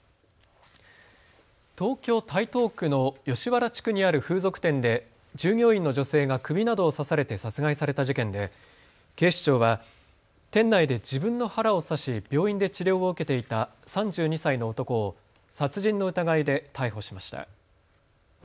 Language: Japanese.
東京台東区の吉原地区にある風俗店で従業員の女性が首などを刺されて殺害された事件で警視庁は店内で自分の腹を刺し病院で治療を受けていた３２歳の男を殺人の疑いで逮捕しました。